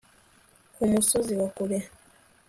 ku musozi wa kure